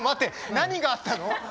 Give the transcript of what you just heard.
何があったの？